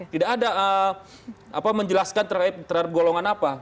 tidak ada menjelaskan terhadap golongan apa